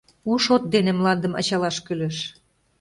У ШОТ ДЕНЕ МЛАНДЫМ АЧАЛАШ КӰЛЕШ